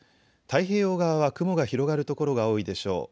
太平洋側は雲が広がる所が多いでしょう。